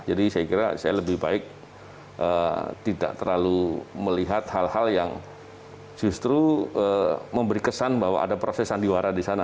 jadi saya kira saya lebih baik tidak terlalu melihat hal hal yang justru memberi kesan bahwa ada proses sandiwara di sana